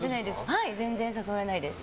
全然誘われないです。